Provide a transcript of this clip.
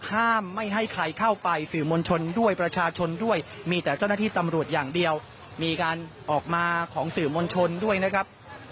ห้ามไม่ให้ใครเข้าไปสื่อมวลชนด้วยประชาชนด้วยมีแต่เจ้าหน้าที่ตำรวจอย่างเดียวมีการออกมาของสื่อมวลชนด้วยนะครับ